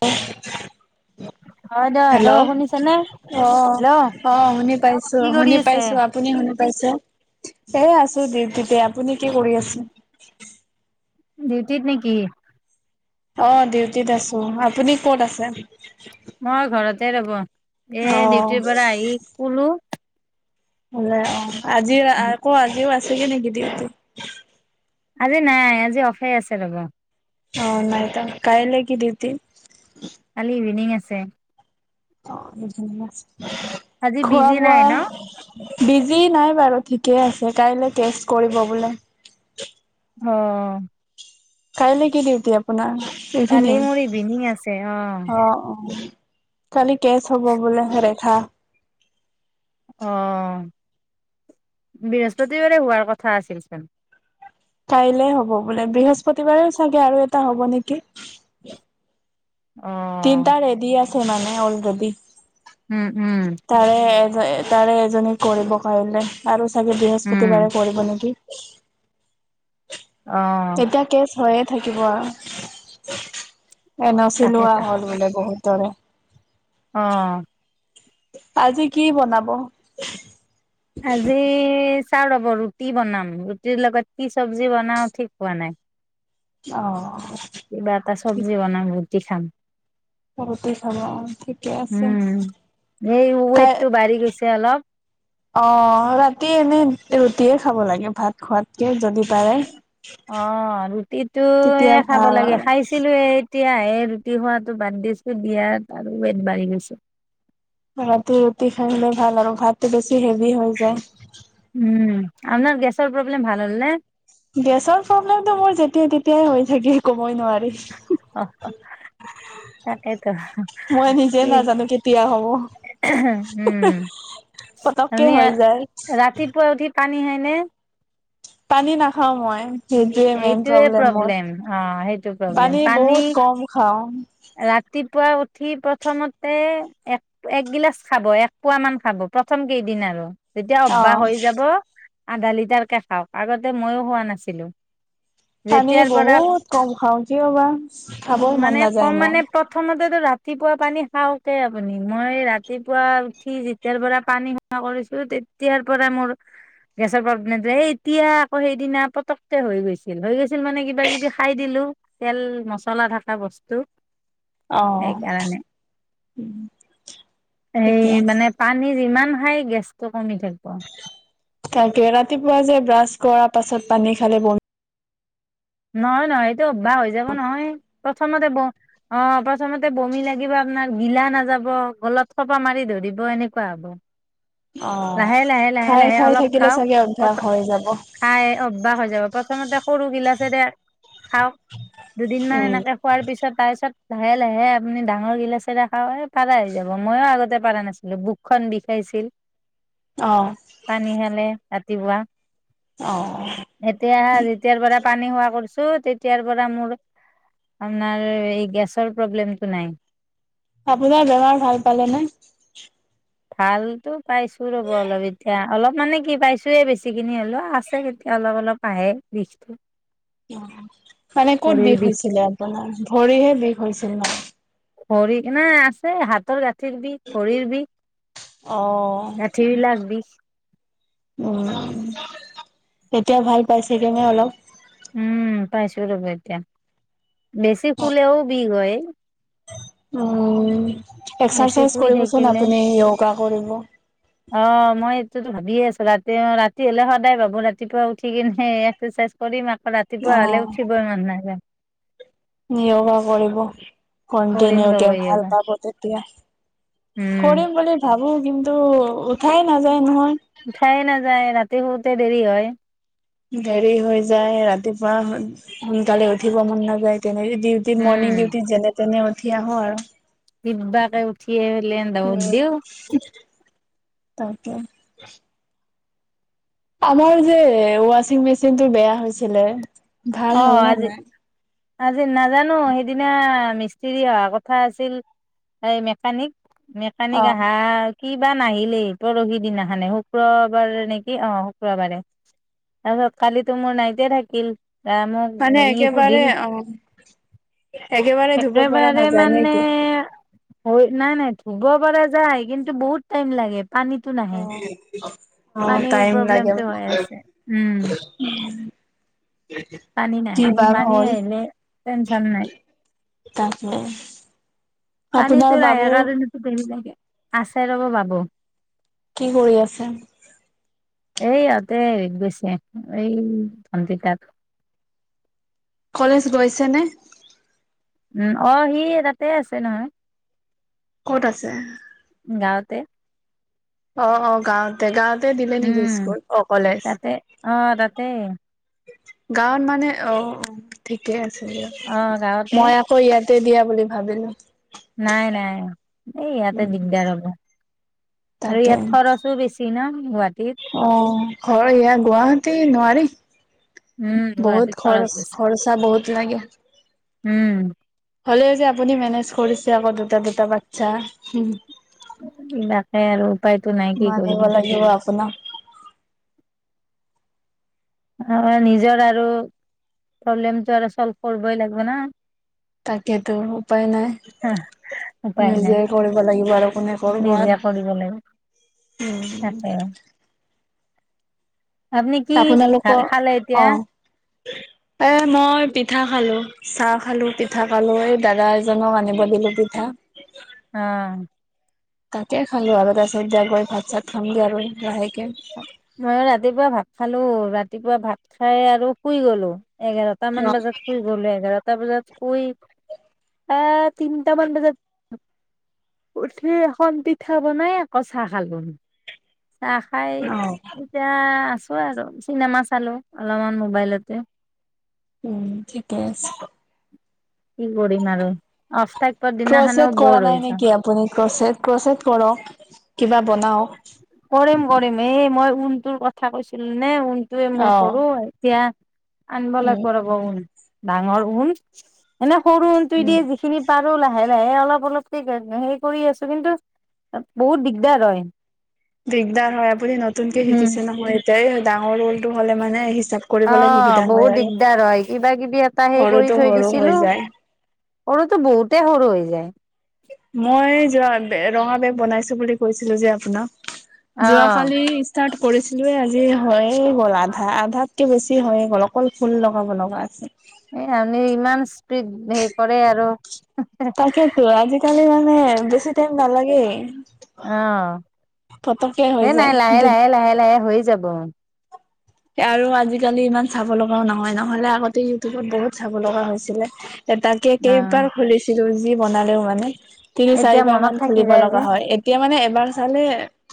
অ' হয় দে হেল্ল' শুনিছেনে আহ হেল্ল' আহ শুনি পাইছো কি কৰি শুনি আছে? পাইছো আপুনি শুনি পাইছে সেইয় আছে, দি আপুনি কি কৰি আছে। ডিউটিত নে কি? অ ডিউটিত আছো আপুনি ক'ত আছে মই ঘৰতে ৰব এ অ ডিউটিৰ পৰা আহি কলো হ অ' আজি ক আজিও আ চহেনাগ দিতি, আজি নাই আজি অফে আছে ৰবা অনাইতা কাইলোগ দিতিন, কলিবি নি ছে অ' ধন আজি বিজি নাই ন বিজি নাই বাৰু ঠিকে আছে কাইলে কেচ কৰিব বোলে অ' কাইলৈ কি দিউটি আপোনাৰ কালি ইভিনিং ইভিনিং আছে অ' খালি কেচ হব বোলে ঘৰে অহ বৃহস্পতিবাৰে হোৱাৰ কথা আছিলচোন কাইলে হ'ব বোলে বৃহস্পতিবাৰে চাগে আৰু এটা হ'ব নেকি অ' তিনতা ৰোগি আছে, নানে অলৰেদি উম উম।। তাৰে এজনী কৰিব পাৰিলে আৰু, চাগে উম। বৃহস্পতিবাৰে কৰিব নেকি আহ এতিয়া কেচ হৈয়ে থাকিব আৰু এ ন চিলোৱা তাকেতো হ'ল বোলে বহুত তৰে অ আজি কি বনাব আজি চাও ৰ'ব ৰুটি বনাম ৰুটিৰ লগত কি চবজি বনাও ঠিক হোৱা নাই অ' কিবা এটা চব্জি বনাব বুজ দেখাম, বতি চাল ঠিকে আছে উম এই কাই, ৱেইটটো বাঢ়ি গৈছে অলপ অ' ৰাতি এনে ৰুটিয়ে খাব লাগে ভাত খোৱাতকে যদি পাৰে অ' তেতিয়া ৰুটিটোয়ে খাব ভাল লাগে আৰু খাইছিলো এই এতিয়াহে ৰুটি খোৱাটো বাদ দিছো। ওৱেট আৰু বাঢ়ি গৈছে। ৰাতি ৰুটি খাই ল'লে ভাল, আৰু ভাতটো বেছি, হেভি হৈ যায়। উম আপোনাৰ গেছৰ প্ৰব্লেম ভাল হ'লনে? গেছৰ প্ৰব্লেমটো মোৰ যেতিয়াই-তেতিয়াই হৈ থাকে, ক'বই নোৱাৰি। হ হ তাকেইেতো মই নিজে কি, নাজানো কেতিয়া হ'ব উম! পতককে আমি হৈ যায়। ৰাতিপুৱা উঠি পানী হয়নে? পানী নাখাও মই। সেইটোৱে মেইন এইটোৱে মোৰ। প্ৰব্লেম, অ' সেইটো প্ৰব্লেম, পানী বহুত কম খাওঁ ৰাতিপুৱা উ- সি প্ৰথমতে এক একগিলাচ খাব, এক পোৱামান খাব প্ৰথম কেইদিন আৰু। যেতিয়া অ অভ্যাস হৈ যাব। আধা লিটাৰকে খাওক, আগতে ময়ো খোৱা নাছিলোঁ। পানী বহুত কম খাওঁ। কিয় বা খাবও মন মানে নাযায় কম মোৰ? মানে প্ৰথমতেতো ৰাতিপুৱা পানী খাওঁক হে আপুনি। মই ৰাতিপুৱা উঠি যেতিয়াৰ পৰা পানী খোৱা কৰিছোঁ, তেতিয়াৰ পৰা মোৰ গেছৰ প্ৰব্লেমটো এতিয়া আকৌ সেইদিনা পতক হৈ গৈছিল হৈ গৈছিল মানে কিবা কিবি খাই দিলো, তেল মাচালা থাকা বস্তু। অ সেইকাৰণে। এই ঠিকে আছে। মানে পানীৰ ইমান! সেই গেছটো কমি থাকিব তাকে ৰাতিপুৱা যে ব্ৰাছ! কৰাৰ পাছত পানী খালে বমি নহয়-নহয়। এ অভ্যাস হৈ যাব নহয়। প্ৰথমতে ব অ' প্ৰথমতে বমি লাগিব, আপোনাক গিলা নাযাব, গলত খোপা মাৰি ধৰিব, এনেকুৱা হ'ব। অ লাহে লাহে লাহে খাই লাহে খাই অলপ থাকিলে খাওঁক। চাগে অভ্যাস তাপছত হৈ যাব। খাই অভ্যাস হৈ যাব প্ৰথমতে সৰু গিলাচেৰে খাওঁক। দুদিনমান উম এনেকে খোৱাৰ পিছত, তাৰ পিছত। লাহে লাহে আপুনি ডাঙৰ গিলাচ এটা খাওক পাৰা হৈ যাব। ময়ো আগতে পাৰা নাছিলোঁ, বুকখন বিষাইছিল। অ অ পানী খালে? ৰাতিপুৱা এতিয়া যেতিয়াৰ পৰা পানী খোৱা কৰিছোঁ তেতিয়াৰ পৰা মোৰ আপোনাৰ গেছৰ প্ৰব্লেমটো নাই। আপোনাৰ বেমাৰ ভাল পালে নে? ভালতো পাইছোঁ ৰ'ব, অলপ এতিয়া অলপ মানে কি? পাইছোঁয়ে বেছি। কিনি অলে আছে কেতিয়া অলপ-অলপ। আহে বিষটো মানে ক'ত ভৰিৰ বিষ হৈছিলে বিষটো আপোনাৰ? ভৰিহে বিষ হৈছিল না ভৰি না আছে হাতৰ গাঁঠিৰ বিষ ভৰিৰ বিষ। অ'। ৰাতি লে বিষ, অ এতিয়া ভাল পাইছেগে নে অলপ। উম পাইছো ৰবা এতিয়া বেছি শুলেও বিষ হয়। উম বেছি এক্সাৰচাইজ শুই কৰিবচোন থাকিলে আপুনি ইয়গা। কৰিব। অ মই এইটোতো ভাবিয়ে আছো ৰাতি অ ৰাতি হলে সদায় ভাবো ৰাতিপুৱা উঠি কিনে এক্সাৰচাইজ কৰিম ৰাতিপুৱা হ'লে অ' উঠিব মন নাযায়। [unintelligible] কৰিব কৰিম কন্টিনিউ ৰ'ব কে ভাল য়োগা পাব। তিয়া, উম কৰিম বুলি ভাবো। কিন্তু উঠাই নাযায় নহয় উঠাই নাযায় ৰাতি শুতে দেৰি হয় দেৰি হৈ যায় ৰাতিপুৱা সোনকালে উঠিব মন নাযায় তেনেকে ডিউটি মৰ্নিং ডিউটি যেনে তেনে উঠি আহো আৰু কিবাকে উঠিয়ে উম। [unintelligible] তাকে আমাৰ যে ৱাচিং মেচিনটো বেয়া হৈছিলে ভাল অ হ'ল নে আজি নাই? আজি না জানো সেইদিনা মিস্ত্ৰী অহা কথা আছিল এই মেকানিক অ মেকানিক আহা কিবা নাহিলেই পৰহি দিনাখনে শুক্ৰবাৰে নেকি অ শুক্ৰবাৰে তাৰপিছত কালিতো মোৰ নাইতে থাকিল মোক মানে ই একেবাৰে সুধিল অ একেবাৰে ধুব পৰা নাযায় নেকি হয় নাই নাই ধুব পৰাাৰ যায় কিন্তু বহুত টাইম লাগে পানীতো অ নাহে অ পানীৰ টাইম লাগে অ প্ৰব্লেমটো হৈ আছে উম পানী নাহে পানী হ'ল আহিলে টেনচন নাই তাৰপ পানীটো [unintelligible] আছে ৰ'ব বাবু কি কৰি আছে এই ইহঁতে হেৰিত গৈছে এই ভণ্টিৰ তাত কলেজ গৈছে নে? উম, অ, সি তাতে আছে নহয়। ক'ত আছে। তে অ- অ, গাৱতে - গাৱত তে দিলে নেকি উম স্কুল অ' কলেজ তাতে অ, তাতেই গাৱত মানে অ, ঠিকে আছে। অ গাঁৱতে মই আকৌ ইয়াত দিয়া বুলি ভাবিলোঁ। নাই নাই, এই ইয়াতে উম দিগদাৰ হ'ব। আৰু তাকে, ইয়াত খৰচো বেছি ন গুৱাহাটীত অ' ঘৰ এয়া গুৱাহাটী নোৱাৰি। উম গুৱাহাটীত বহুত খৰচ, বেছি খৰচা বহুত [unintelligible] উম' হলেওঁ যে আপুনি মেনেজ কৰিছে আকৌ দুটা দুটা বাচ্ছা। তাকে আৰু উপায়তো নাই কি মানিব কৰিম লাগিব আপোনাক আমাৰ নিজৰ আৰু প্ৰব্লেমটো আৰু চল্ভ কৰিবই লাগিব না। তাকেতো উপায় নাই উপায় নাই নিজে কৰিব লাগিব আৰু কোনে কৰিব নিজে আৰু কৰিব লাগিব উম, তাকে আপুনি কি খা আপোনালোকৰ খালে এতিয়া। অ এ মই পিঠা খালো। চাহ খালো পিঠা খালো, এই দাদা এজনক আনিব দিলো পিঠা। অ', তাকে খালো আৰু তাৰপিছত এতিয়া গৈ ভাত চাত খামগে আৰু লাহেকে। মই ৰাতিপুৱা ভাত খালো, ৰাতিপুৱা ভাত খাই আৰু শুই গলো। এঘাৰটা মান বজাত শুই গ'লো, এঘাৰটা সাতটা বজাতই আহ তিনটামান বজাত উঠি এখন পিঠা বনাই আকৌ চাহ খালোন। চাহ খাই। অ অ এতিয়া আছো আৰু চিনেমা চালো অলপমান মোবাইলতে। উম, ঠিকে আছে। কি কৰিম আৰু অফ থাকিবৰ দিনাখনেও ক্ৰছেট কৰা বৰ হৈ নাই যাওঁ নেকি আপুনি, ক্ৰছেট কৰক। কিবা বনাৱক। কৰিম কৰিম এই মই ঊলটোৰ কথা কৈছিলো নে ঊল। সেইটোয়ে মোৰ অ', সৰু এতিয়া আনিব উম, লাগব ৰব উম, ডাঙৰ ওম সৰু উইন টো উম। যিখিনিত পাৰো লাহে লাহে অলপ অলপক হেৰি কৰি আছো কিন্তু বহুত দিগদাৰ হয় দিগদাৰ হয় আপুনি নতুনকে উম। শিকিছে নহয় এতিয়াই ডাঙৰল অ বহুত আৰু দিগদাৰ হয় কিবা কিবি এটা হে কৰি সৰুটো থৈ সৰু হৈ দিছিলো যায়। সৰুটো বহুতেই সৰু হৈ যায় মই যোৱা ৰঙা বেগ বনাইছো বুলি কৈছিলো যে আপোনাক অ যোৱাকালি ষ্টাৰ্ট কৰিছিলোে আজি হৈয়ে গ'ল আধা আধাতকে বেছি হৈয়ে গ'ল অকল ফুল লগাব লগা আছে এ আপনি ইমান স্পীড হে কৰে আৰু তাকেইেতো আজিকালি সেয়া ই বেছি টাইম নালাগেই অ পতককে হৈ সেই নাই লাহে যায় লাহে লাহে লাহে হৈ যাব আৰু আজিকালি ইমান চাব লগাও নহয় নহলে আগতে ইউটিউবত বহুত চাব লগা হৈছিলে এ তাকে কেইবাৰ খুলিছিলো বনালেও মানে তিনি এতিয়া চাৰিবাৰ মনত মান থাকি খুলিব যায় লগা যে হয় এতিয়া মানে এবাৰ চালে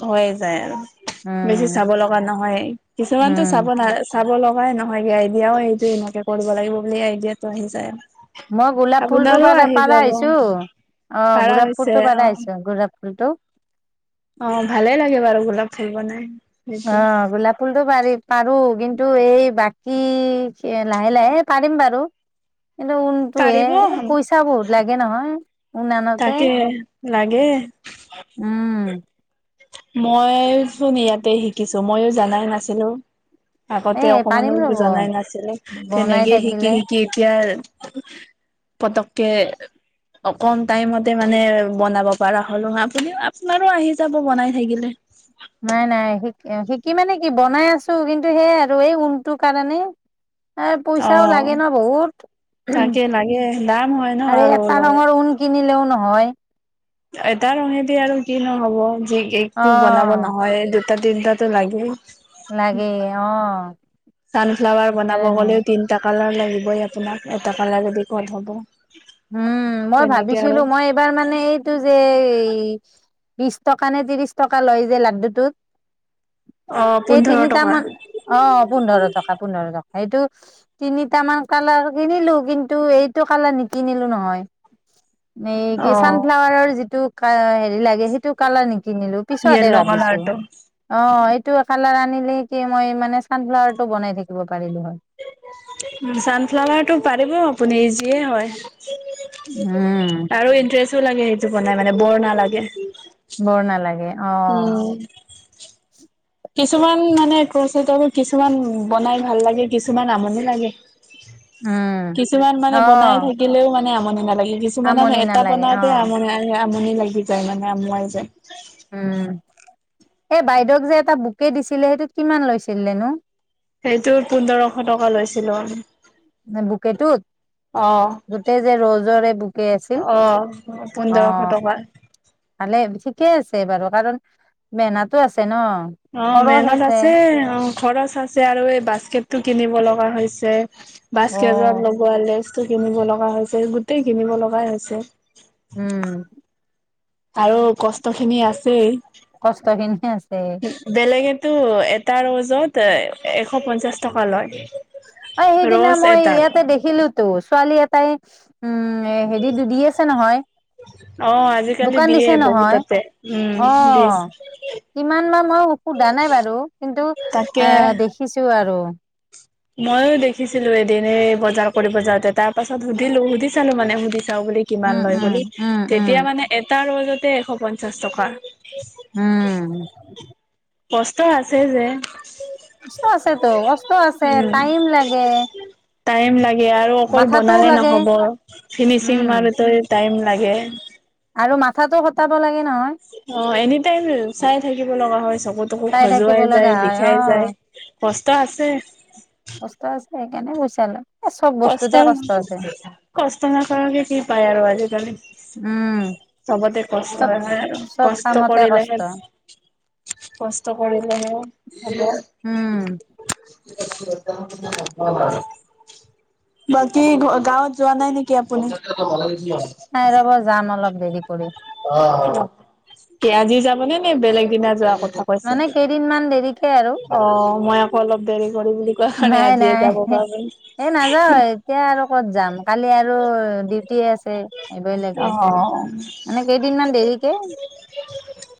হৈয়ে যায় আৰু বেছি উম চাব লগা নহয় কিছুমান চাব উম, ন চাব লগ হয় নহয়গে আইডিয়াও এইটো এনেকে কৰিব লাগিব বুলি আইডিয়াটো আহি যায় মই গোলাপ ফুল টো আপোনাৰো প আহি পাৰা যাব হৈছো অ ভাড়া গোলাপ হৈছে ফুলতটো পাৰা অ। হৈছো গোলাফুল কিন্তু অ ভালে লাগে বাৰু গোলাপ খাল বনাই অ সেইটো গোলাপ ফুলতটো পাৰি পাৰো কিন্তু টো এই বাকী লাহে লাহে পাৰিম বাৰু কিন্তু ঊনটোহে পাৰিব পইচা বহুত লাগে নহয় উনানতে তাকে লাগে উম মই চোন ইয়াতে শিকিছো মইয়ো জানাই নাছিলো এ আগতে অকমানো পাৰিম ৰ'ব জনাই নাছিলো বনাই তেনেকে শিকি থাকিলে। শিকি এতিয়া পতকে অকণ টাইমতে মানে বনাব পৰা হলো আপুনি আপোনাৰো আহি যাব বনাই থেইগিলে। নাই, নাই, শিক- শিকি মানে কি বনাই আছো, কিন্তু সেইয়ে আৰু এই ঊণটো কাৰণে। এ অ পইচাও লাগে ন বহুত, তাকে লাগে দাম হয় ন আৰু এটা ঊলৰ ৰঙৰ ঊণ কিনিলেও নহয়। এটা ৰঙেদি আৰু কিনো হ'ব। এ কেকটৌ বনাব অ'। নহয়। এটা তিনিটাতে লাগে। লাগে অ'। ছানফ্লাৱাৰ বনাব সেইকাৰণে গ'লেও তিনটা কালাৰ লাগি আপোনাক এটা কালাৰেদি ক'ত হ'ব। উম, মই তেনেকে আৰু ভাবিছিলো মই এইবাৰ মানে এইটো যে। বিশ টকা নে ত্ৰিশ টকা লয় যে লাড্ডুটোত। অ সেই পোন্ধৰ টকা তিনিটামান অ', পোন্ধৰ টকা, পোন্ধৰ টকা সেইটো তিনিটামান কালাৰ কিনিলো কিন্তু এইটো কালাৰ ন কিনিলো নহয়। মে অ কি চানফ্লাৱাৰৰ যিটো। কা হেৰি লাগে সেইটো কালাৰ নেক কিনিলো পিছতে য়েল্ল' ভাবিছো কালাৰটো অ',। টো কালাৰ আনিলে কি মই মানে চানফ্লাৱাৰ টো বনাই থাকিব পাৰিলো হয়। ছানফ্লাৱাৰটো পাৰিব আপুনি ইজিয়ে হয়। উম আৰু ইন্টাৰেষ্টো লাগে স টো বনাই মানে বৰ নালাগে। বৰ নালাগে। অ'। উম কিছুমান মানে ক্যাচত কিছুমান বনাই ভাল লাগে, কিছুমান আমনি লাগে। উম কিছুমান মানে বনাই অ' থাকিলেও মানে আমনি নালাগে কিছুমানৰ আমনি এটা নালাগে বনাওঁতে অ' আমনি আমনি লাগি যায় মানে আমুৱাই যায়। উম। এ বাইদেউক যে এটা বুকে দিছিলে, সেইটোত কিমান লৈছিলে নো? সেইটো পোন্ধৰশ টকা লৈছিলো আমি। বকেটোত অ গোটেই যে ৰজৰে বকে আছিল। অ পোন্ধৰশ অ', টকা ভালে। ঠিকে আছে বাৰু কাৰণ বেনাতো আছে ন। অ', মেহনত আছে। অ', খৰচ আছে আৰু এই বাস্কেটটো কিনিব ল। কোৱা হৈছে। বাস্কেটত অ' লগোৱা [unintelligible] কিনিব লগা হৈছে, গোটেই কিনিব লগাই হৈছে। উম। আৰু কষ্ট খিনি আছেই। কষ্টখিনি আছেই। টো' এটা ৰ'জত এশ পঞ্চাছ টকা লয়। অ' সেইদিনা ৰ'জ মই এটাত ইয়াতে দেখিলো। টো ছোৱালী এটাই উম হেৰিটো দি আছে নহয়, অ আজিকালি দোকান দিয়ে দিছে নহয়। বহুততে উম দিছ অ' কিমান বা মই সোধা নাই বাৰু? কিন্তু এ দেখিছো আৰু। মইও দেখিছিলো এদিন বজাৰ কৰিব যাওতে তাৰ পাছত সুধিলো সুধি চালো মানে সুধি [unintelligible] বুলি কিমান উম, লয় উম, বুলি, উম, উম, তেতিয়া মানে এটা ৰ'জত তে এশ পঞ্চাছ টকা। উম। কষ্টও আছে যে। কষ্ট আছেত কষ্ট আছ ছে উম টাইম লাগে টাইম লাগে। আৰু অকল মাথাটোও বনালে লাগে নহ'ব ফিনিচিং উম, মাৰোতে টাইম লাগে। আৰু মাথাতো খটাব লাগে নহয়। অ এনি টাইম চাই থাকিব লগা হৈছে। চকু তকু চাই থাকিব খজুৱাই লগা যায় হয় বিষাই যায় অ', কষ্ট আছে। এনে পইছা ওলাই। কষ্ট কষ্ট নকৰাকে কি পায় আৰু আজিকালি। উম। চবতে কষ্ট চব আ চব কষ্ট কামতে কৰিলেহে কষ্ট কষ্ট কৰিলেহে হ'ব। উম, বাকী গাঁৱত যোৱা নাই নেকি আপুনি? নাই ৰব যাম অলপ দেৰি কৰি। অ কি আজি যাবনে নে বেলেগ দিনা যোৱা কথা কৈছে? মানে কেইদিন মান দেৰি অ' মই [unintelligible] কোৱা কাৰণে নাই আজিয়ে নাই, যাব পাৰোঁ। এই নাযাও এতিয়া আৰু ক'ত যাম। কালি আৰু ডিউটি আছে এইবাৰ অ মানে কেইদিনমান দেৰিকে